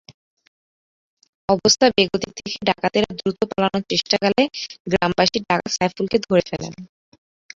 অবস্থা বেগতিক দেখে ডাকাতেরা দ্রুত পালানোর চেষ্টাকালে গ্রামবাসী ডাকাত সাইফুলকে ধরে ফেলেন।